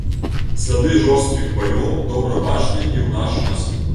Сляды жорсткіх баёў добра бачны і ў наш час.